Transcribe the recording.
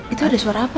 itu ada suara apa ya